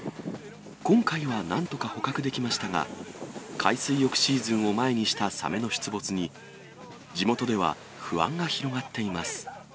今回はなんとか捕獲できましたが、海水浴シーズンを前にしたサメの出没に、地元では不安が広がっています。